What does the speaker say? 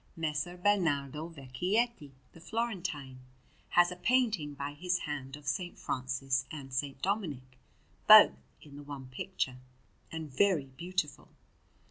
Messer Bernardo Vecchietti, the Florentine, has a painting by his hand of S. Francis and S. Dominic, both in the one picture, and very beautiful.